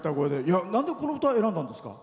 なんで、この歌を選んだんですか？